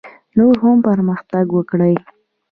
نور هم پرمختګ وکړي.